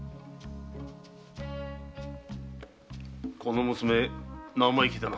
この娘生意気だな。